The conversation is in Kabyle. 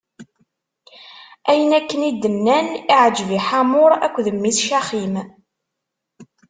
Ayen akken i d-nnan, iɛǧeb i Ḥamur akked mmi-s Caxim.